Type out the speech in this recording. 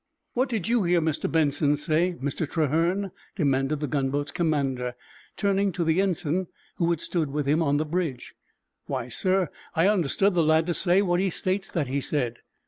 "What did you hear Mr. Benson say, Mr. Trahern?" demanded the gunboat's commander, turning to the ensign who had stood with him on the bridge. "Why, sir, I understood the lad to say what he states that he said."